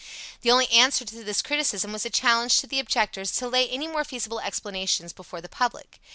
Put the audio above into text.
The only answer to this criticism was a challenge to the objectors to lay any more feasible explanations before the public.